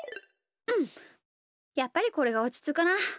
うんやっぱりこれがおちつくな。